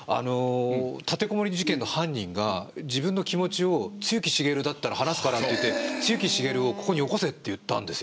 立てこもり事件の犯人が自分の気持ちを露木茂だったら話すからって言って露木茂をここによこせって言ったんですよ。